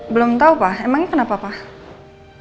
belum tahu pak emangnya kenapa pak